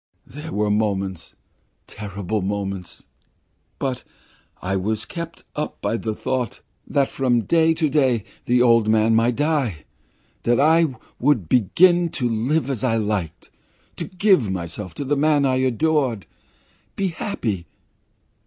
There were moments terrible moments but I was kept up by the thought that from day to day the old man might die, that then I would begin to live as I liked, to give myself to the man I adore be happy.